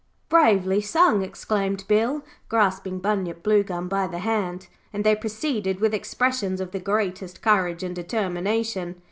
'Bravely sung,' exclaimed Bill, grasping Bunyip Bluegum by the hand, and they proceeded with expressions of the greatest courage and determination.